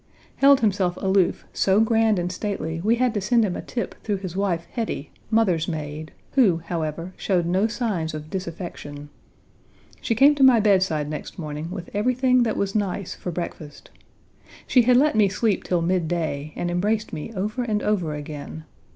Held himself aloof so grand and Page 53 stately we had to send him a "tip" through his wife Hetty, mother's maid, who, however, showed no signs of disaffection. She came to my bedside next morning with everything that was nice for breakfast. She had let me sleep till midday, and embraced me over and over again.